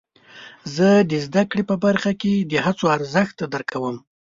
زه د زده کړې په برخه کې د هڅو ارزښت درک کوم.